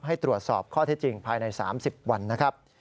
ให้ตรวจสอบข้อเท็จจริงภายใน๓๐วันนะครับ